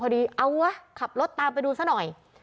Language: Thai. เอาวะขับรถตามไปดูซะหน่อย